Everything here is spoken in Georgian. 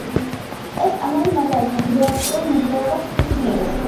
ეს კანონი, მაგალითად, რეაქტიულ მოძრაობას ხსნის.